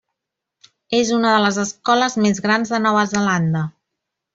És una de les escoles més grans de Nova Zelanda.